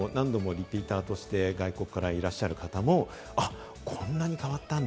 何度もリピーターとして外国からいらっしゃる方も、あっ、こんなに変わったんだ？